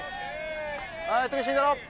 はい次慎太郎